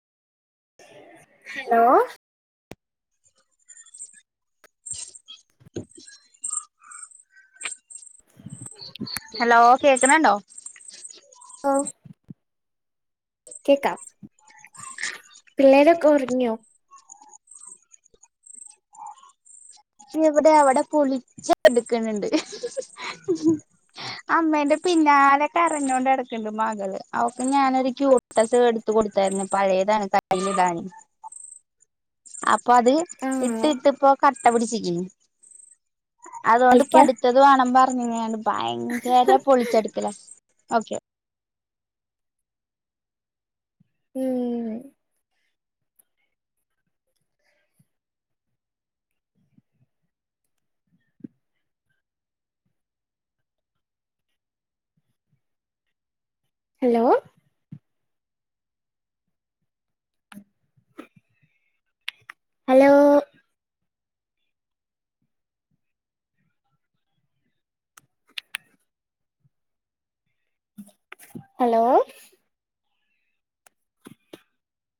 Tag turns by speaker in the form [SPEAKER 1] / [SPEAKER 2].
[SPEAKER 1] hello
[SPEAKER 2] hello കേക്കണണ്ടോ
[SPEAKER 1] ഓ കേക്കാം പിള്ളേരൊക്കെ ഉറങ്ങിയോ
[SPEAKER 2] എവിടെ അവിടെ പൊളിച്ചടുക്കണണ്ട് അമ്മേന്റെ പിന്നാലെകരഞ്ഞോണ്ട് നടക്ക്ണ്ട് മകള് അവൾ ക്‌ ഞാനൊരു ക്യുട്ടസ് എടുത്ത കൊടുത്തായിരുന്നു പഴയതാണ് കയ്യിലിടാൻ അപ്പൊ അത് ഇട്ട്
[SPEAKER 1] ആഹ്
[SPEAKER 2] ഇട്ട് പ്പോ കട്ട പിടിച്ചിക്ക്ണ് അതുകൊണ്ട്
[SPEAKER 1] കളിക്കാ
[SPEAKER 2] പഠിത്തത് വാണംപർ അങ്ങയാണ്ട് ഭയങ്കര പൊളിച്ചെടുക്കല ഓക്കെ
[SPEAKER 1] ഉം ഹലോ ഹലോ ഹലോ